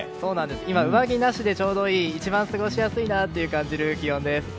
今、上着なしでちょうどいい過ごしやすいなと感じる気温です。